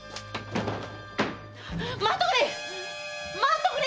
待っとくれ！